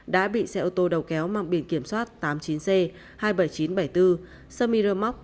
đã bị xe ô tô đầu kéo mạng biển kiểm soát tám mươi chín c hai mươi bảy nghìn chín trăm bảy mươi bốn tám mươi chín r một nghìn tám trăm năm mươi bốn